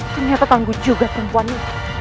ternyata tangguh juga perempuan ini